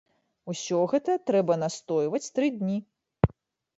Усё гэта трэба настойваць тры дні.